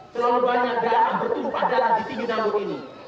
terlalu banyak da'at bertumpah dalam di tinggi nambut ini